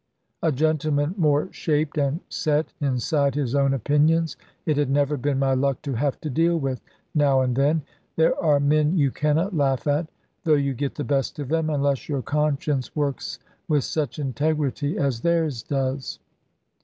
A gentleman more shaped and set inside his own opinions, it had never been my luck to have to deal with, now and then. There are men you cannot laugh at, though you get the best of them, unless your conscience works with such integrity as theirs does.